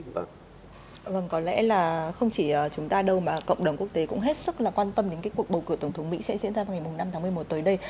vâng có lẽ là không chỉ chúng ta đâu mà cộng đồng quốc tế cũng hết sức là quan tâm đến cái cuộc bầu cử tổng thống mỹ sẽ diễn ra vào ngày năm tháng một mươi một tới đây